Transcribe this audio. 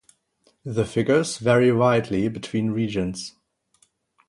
The figures vary widely between regions.